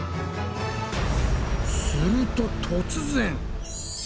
すると突然！